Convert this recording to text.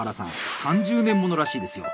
３０年物らしいですよ。